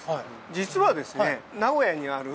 実はですね